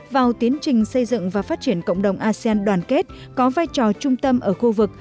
vào tiến trình xây dựng và phát triển cộng đồng asean đoàn kết có vai trò trung tâm ở khu vực